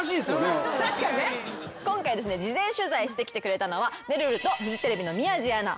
今回ですね事前取材してきてくれたのはめるるとフジテレビの宮司アナ